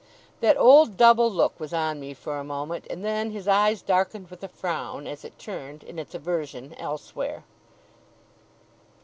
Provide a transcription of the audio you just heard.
That old, double look was on me for a moment; and then his eyes darkened with a frown, as it turned, in its aversion, elsewhere.